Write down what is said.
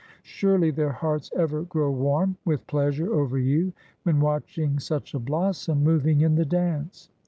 Surely their hearts ever grow warm with pleasure over you, when watching such a blossom moving in the dance.